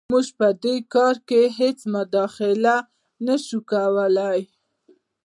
موږ په دې کار کې هېڅ مداخله نه شو کولی.